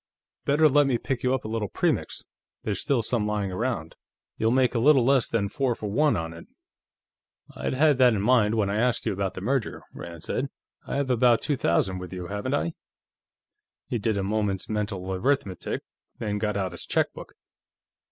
Better let me pick you up a little Premix; there's still some lying around. You'll make a little less than four for one on it." "I'd had that in mind when I asked you about the merger," Rand said. "I have about two thousand with you, haven't I?" He did a moment's mental arithmetic, then got out his checkbook.